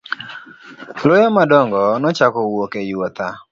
Luya madongo nochako wuok e yuotha.